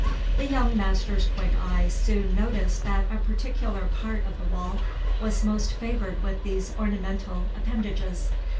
The young master's quick eye soon noticed that a particular part of the wall was most favored with these ornamental appendages.